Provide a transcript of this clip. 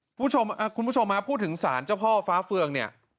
คุณผู้ชมคุณผู้ชมฮะพูดถึงสารเจ้าพ่อฟ้าเฟืองเนี่ย